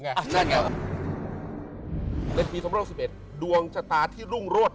ในปี๒๑๖๑ดวงชะตาที่รุ่งรวด